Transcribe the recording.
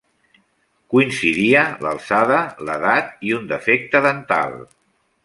Coincidia l'alçada, l'edat i un defecte dental.